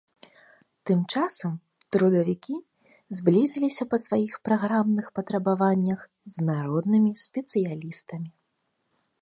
Тым часам трудавікі зблізіліся па сваіх праграмных патрабаваннях з народнымі сацыялістамі.